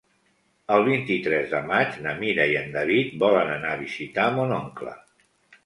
El vint-i-tres de maig na Mira i en David volen anar a visitar mon oncle.